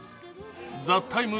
「ＴＨＥＴＩＭＥ，」